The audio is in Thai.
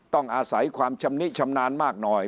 ต้องอาศัยความชำนิชำนาญมากหน่อย